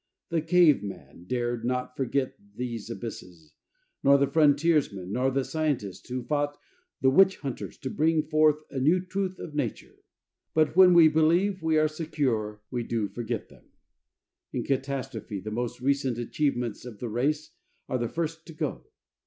The caveman dared not forget these abysses, nor the frontiersman, nor the scientist who fought the witch hunters to bring forth a new truth of Nature. But when we believe we are secure we do forget them. In catastrophe, the most recent achievements of the race are the first to go.